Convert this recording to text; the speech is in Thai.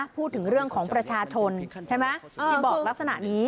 พูดถึงเรื่องของประชาชนใช่ไหมที่บอกลักษณะนี้